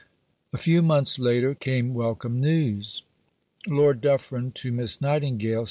A few months later came welcome news: (_Lord Dufferin to Miss Nightingale.